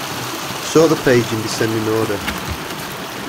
Sort the page in descending order.